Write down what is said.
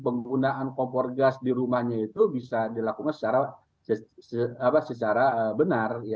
penggunaan kompor gas di rumahnya itu bisa dilakukan secara benar